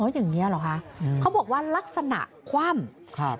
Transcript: อย่างนี้หรอคะเขาบอกว่าลักษณะคว่ำ